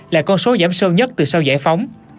là con số giảm sâu nhất từ sau giải phóng